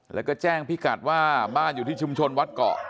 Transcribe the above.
แล้วก็แจ้งพี่กัดว่าบ้านอยู่ที่ชุมชนวัดเกาะ